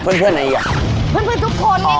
เพื่อนคนทุกคน